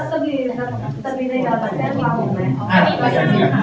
อร่อยอยู่ไหมครับ